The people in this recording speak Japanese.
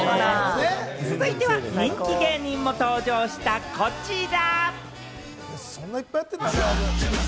続いては人気芸人も登場したこちら。